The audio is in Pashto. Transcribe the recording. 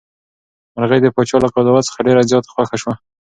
مرغۍ د پاچا له قضاوت څخه ډېره زیاته خوښه شوه.